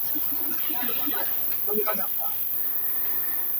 Hla an sa.